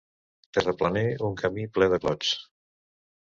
Terraplenar un camí ple de clots.